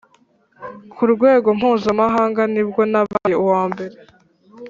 ku rwego mpuzamahanga nibwo nabaye uwa mbere.